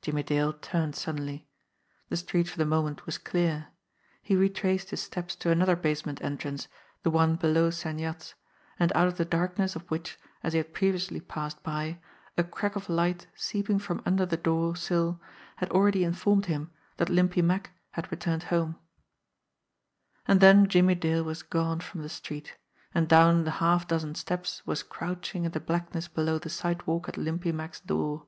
Jimmie Dale turned suddenly. The street for the moment was clear. He retraced his steps to another basement entrance, the one below Sen Yat's, and out of the darkness of which, as he had previously passed by, a crack of light seeping from under the door sill had already in formed him that Limpy Mack had returned home. 65 66 JIMMIE DALE AND THE PHANTOM CLUB And then Jimmie Dale was gone from the street and down the half dozen steps was crouching in the blackness below the sidewalk at Limpy Mack's door.